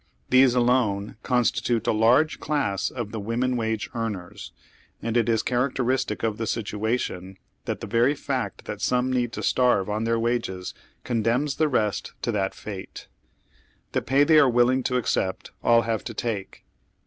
These alone constitute a large class of the wo men wage earners, and it is characteristic of the situation that the very fact that some need not starve on their ■wages condemns the rest to that fate. The pay they are willing to accept all have to take.